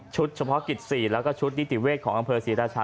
ชุดส่วนเพาะกิศรีแล้วก็ชุดวเวทของอำเพิร์ชา